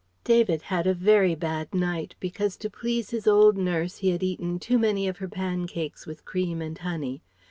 David had a very bad night, because to please his old nurse he had eaten too many of her pancakes with cream and honey.